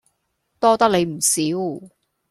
多得你唔少